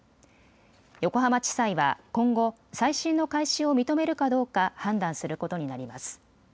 横浜地裁は今後、再審の開始を認めるかどうか判断することになります。